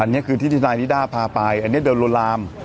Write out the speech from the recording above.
อันนี้คือที่ที่ทนายนิด้าพาไปอันนี้เดินลวนลาม